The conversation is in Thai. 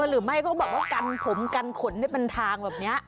หรือไม่ก็แบบว่ากันผมกันขนให้เป็นทางแบบนี้